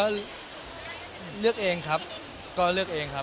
ก็เลือกเองครับก็เลือกเองครับ